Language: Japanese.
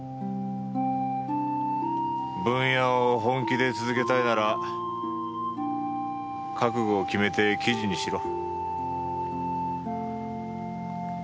ブンヤを本気で続けたいなら覚悟を決めて記事にしろ。